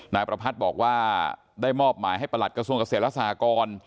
นายประพัทธ์บอกว่าได้มอบหมายให้ประหลัดกระทรวงเกษตรและสหกร